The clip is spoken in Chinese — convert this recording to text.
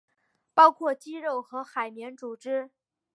包括肌肉和海绵组织。